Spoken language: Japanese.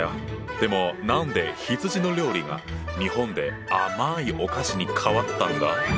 でも何で羊の料理が日本で甘いお菓子に変わったんだ？